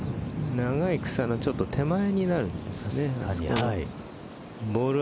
長い草のちょっと手前になるんですね。